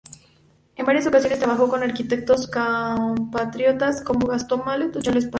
En varias ocasiones trabajó con arquitectos compatriotas, como Gastón Mallet o Charles Paquin.